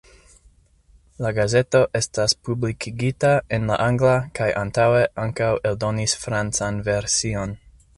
La gazeto estas publikigita en la angla kaj antaŭe ankaŭ eldonis francan version.